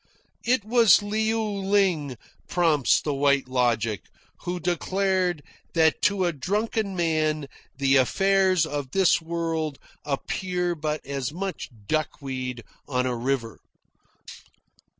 "It was Liu Ling," prompts the White Logic, "who declared that to a drunken man the affairs of this world appear but as so much duckweed on a river.